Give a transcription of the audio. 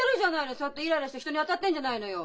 そうやってイライラして人に当たってんじゃないのよ。